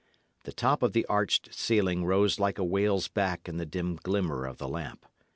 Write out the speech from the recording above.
The top of the arched ceiling rose like a whale's back in the dim glimmer of the lamp.